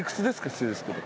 失礼ですけど。